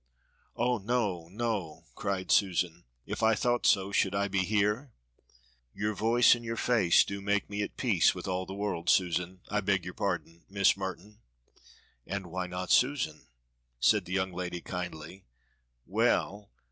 "Oh no! no!" cried Susan, "if I thought so should I be here?" "Your voice and your face do make me at peace with all the world, Susan I beg your pardon Miss Merton." "And why not Susan?" said the young lady kindly. "Well!